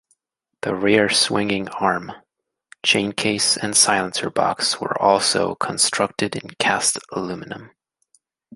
The rear swinging arm, chaincase and silencer box were also constructed in cast aluminium.